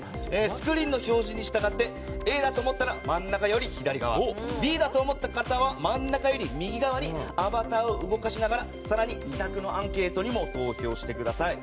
スクリーンの表示に従ってＡだと思ったら真ん中より左側Ｂだと思った方は真ん中より右側にアバターを動かしながら更に２択のアンケートにも登録してください。